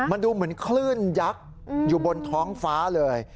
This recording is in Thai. มันดูเหมือนคลื่นยักษ์อยู่บนท้องฟ้าเลย